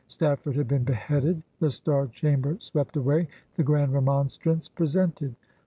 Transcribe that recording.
Stafford had been beheaded, the Star Chamber swept away, the Grdnd Remonstrance presented.